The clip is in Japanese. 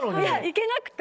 いけなくて。